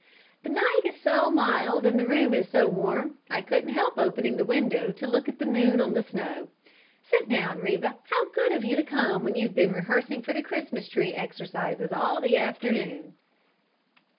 "The night is so mild and the room so warm, I couldn't help opening the window to look at the moon on the snow. Sit down, Reba! How good of you to come when you've been rehearsing for the Christmas Tree exercises all the afternoon."